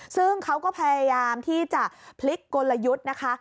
ซึ่งเขาก็พยายามที่จะพลิกกลยุทธ์นะคะ